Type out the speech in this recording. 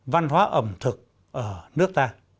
văn hóa ẩm thực ở nước